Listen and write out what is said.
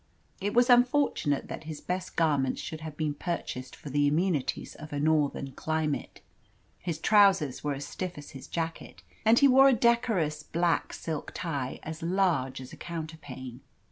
It was unfortunate that his best garments should have been purchased for the amenities of a northern climate. His trousers were as stiff as his jacket, and he wore a decorous black silk tie as large as a counterpane.